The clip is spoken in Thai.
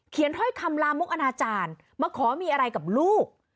เขียนราบคำลามโมกอนาจารย์มาขอมีอะไรกับลูก